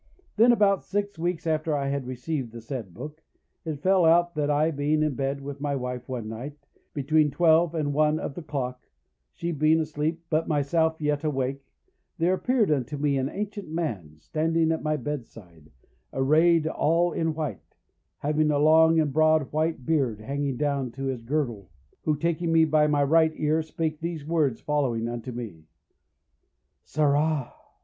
Then, about six weeks after I had received the said book, it fell out that I being in bed with my wife one night, between twelve and one of the clock, she being asleep, but myself yet awake, there appeared unto me an ancient man, standing at my bedside, arrayed all in white, having a long and broad white beard hanging down to his girdle stead, who, taking me by my right ear, spake these words following unto me:—'Sirrah!